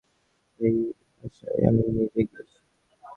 সেই বাসায় আমি নিজে গিয়াছি।